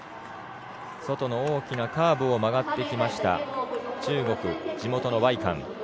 外の大きなカーブを曲がってきました中国、地元の梅韓。